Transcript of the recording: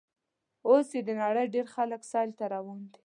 اوس یې د نړۍ ډېر خلک سیل ته روان دي.